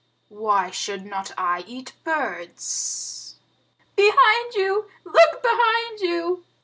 Why should not I eat birds?" "Behind you! Look behind you!"